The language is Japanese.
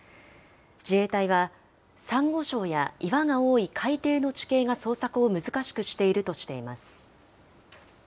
自衛隊はサンゴ礁や岩が多い海底の地形が捜索を難しくしているとしています。